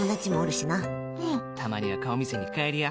たまには顔見せに帰りや。